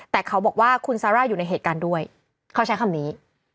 แต่เขาบอกว่าคุณซาร่าอยู่ในเหตุการณ์ด้วยเขาใช้คำนี้